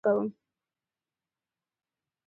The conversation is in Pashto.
زه د یوټیوب چینل ته ګډون کوم.